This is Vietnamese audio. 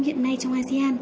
hiện nay trong asean